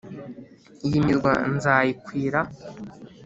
iyi mirwa nzayikwira.